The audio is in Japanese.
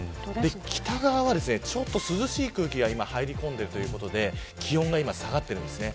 北側はちょっと涼しい空気が今、入り込んでいるということで気温が今、下がっています。